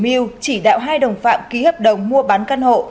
trinh được xác định là chủ mưu chỉ đạo hai đồng phạm ký hợp đồng mua bán căn hộ